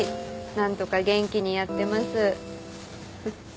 何とか元気にやってます。